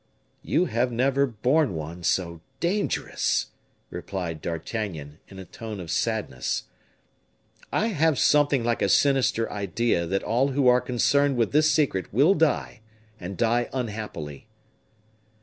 "You have never borne one so dangerous," replied D'Artagnan, in a tone of sadness. "I have something like a sinister idea that all who are concerned with this secret will die, and die unhappily."